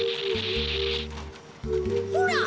ほら。